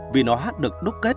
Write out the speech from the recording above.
vì nó hát được đúc kết